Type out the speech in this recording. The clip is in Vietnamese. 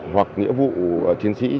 hoặc nhiệm vụ chiến sĩ